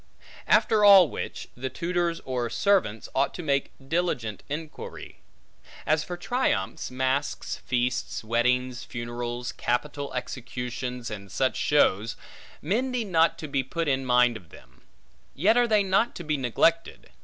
After all which, the tutors, or servants, ought to make diligent inquiry. As for triumphs, masks, feasts, weddings, funerals, capital executions, and such shows, men need not to be put in mind of them; yet are they not to be neglected.